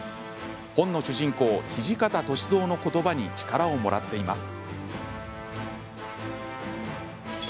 本の主人公、土方歳三のことばに力をもらっています。